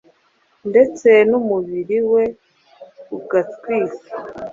ndetse n'umubiri we ugatwikwa.